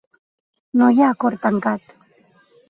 No hi ha acord tancat.